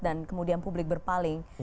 dan kemudian publik berpaling